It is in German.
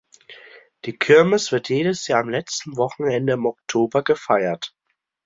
Die Kirmes wird jedes Jahr am letzten Wochenende im Oktober gefeiert.